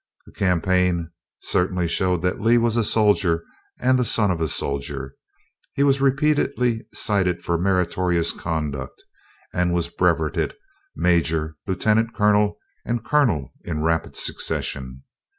The campaign certainly showed that Lee was a soldier and the son of a soldier. He was repeatedly cited for meritorious conduct, and was brevetted major, lieutenant colonel, and colonel in rapid succession.